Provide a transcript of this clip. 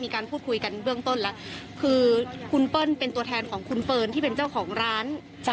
คือคุณเปิ้ลเป็นตัวแทนของคุณเปิ้ลที่เป็นเจ้าของร้าน